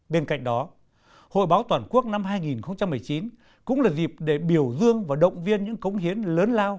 bên cạnh đó hội báo toàn quốc năm hai nghìn một mươi chín cũng là dịp để biểu dương và động viên những cống hiến lớn lao